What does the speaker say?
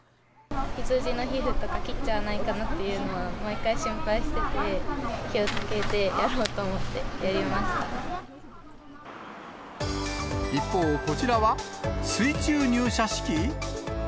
羊の皮膚とか切っちゃわないかなというのは毎回心配してて、気をつけてやろうと思ってやりま一方、こちらは、水中入社式？